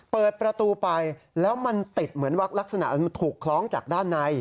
เปิดประตูไปแล้วมันติดเหมือนวักลักษณะมันถูกคล้องจากด้านใน